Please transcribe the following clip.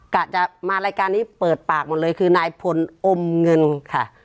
กะจะมารายการนี้เปิดปากหมดเลยคือนายพลอมเงินค่ะ